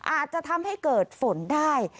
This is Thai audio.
อาจจะทำให้เกิดฝนได้